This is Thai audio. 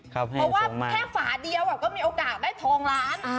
เพราะว่าแค่ฝาเดียวก็มีโอกาสได้ทองล้าน